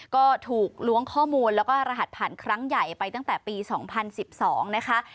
ก็ถูกล้วงข้อมูลแล้วก็รหัสผ่านครั้งใหญ่ไปตั้งแต่ปี๒๐๑๒นะคะ